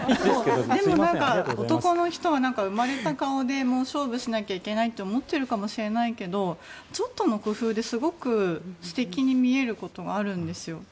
男の人は生まれた顔で勝負しなきゃいけないって思っているかもしれないけどちょっとの工夫ですごく素敵に見えることがあるんですよ。